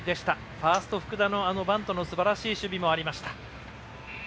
ファースト、福田のバントのすばらしい守備もありました。